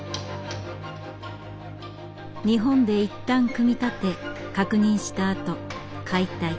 日本でいったん組み立て確認したあと解体。